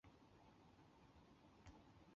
老挝王国是越南战争时交战国的秘密战区。